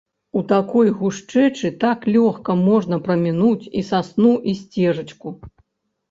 У такой гушчэчы так лёгка можна прамінуць і сасну і сцежачку.